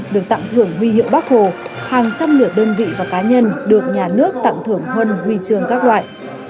được tặng thưởng huy hiệu bắc hồ hàng trăm nửa đơn vị và cá nhân được nhà nước tặng thưởng huân huy chương các loại